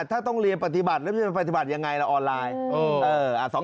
ถ้าต้องเรียนภาคปฏิบัตินึกถึงภาคปฏิบัติอย่างไรละออนไลน์